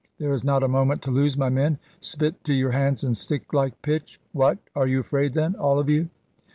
There is not a moment to lose, my men. Spit to your hands and stick like pitch. What! are you afraid then, all of you?"